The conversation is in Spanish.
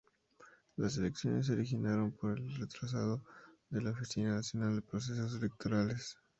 Las elecciones se originaron por el retrasado de la Oficina Nacional de Procesos Electorales.